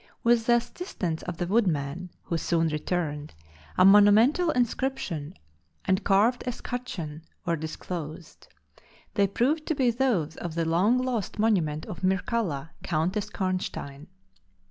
With the assistance of the woodman, who soon returned, a monumental inscription, and carved escutcheon, were disclosed. They proved to be those of the long lost monument of Mircalla, Countess Karnstein.